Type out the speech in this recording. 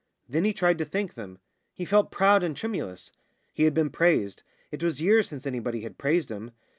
Then he tried to thank them. He felt proud and tremulous. He had been praised it was years since anybody had praised him.